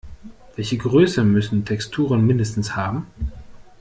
Welche Größe müssen Texturen mindestens haben?